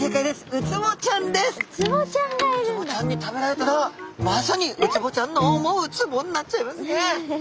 ウツボちゃんに食べられたらまさにウツボちゃんの思ウツボになっちゃいますね。